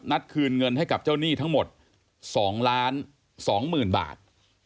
นัดคืนเงินให้กับเจ้าหนี้ทั้งหมด๒ล้าน๒หมื่นบาท